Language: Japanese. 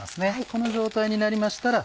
この状態になりましたら